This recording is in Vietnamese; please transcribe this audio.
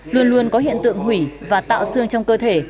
luôn luôn có hiện tượng hủy và tạo xương trong cơ thể